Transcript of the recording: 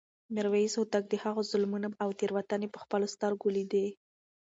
میرویس هوتک د هغه ظلمونه او تېروتنې په خپلو سترګو لیدې.